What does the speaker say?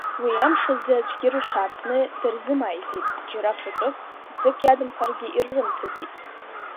Уи амш азы аӡәгьы рышә ааргны дырзымааиӡеит, џьара фатәык, ӡык иадамхаргьы ирырымҭаӡеит.